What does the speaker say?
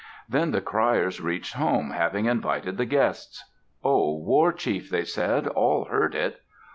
Then the criers reached home, having invited the guests. "Oh, war chief," they said, "all heard it."